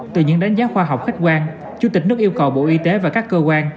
từ những đánh giá khoa học khách quan chủ tịch nước yêu cầu bộ y tế và các cơ quan